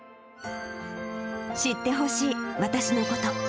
知ってほしい、私のこと。